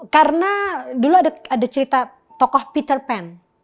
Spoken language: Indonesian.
karena dulu ada cerita tokoh peter pan